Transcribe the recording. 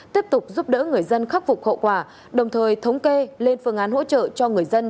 tiếp tục giúp đỡ người dân khắc phục hậu quả đồng thời thống kê lên phương án hỗ trợ cho người dân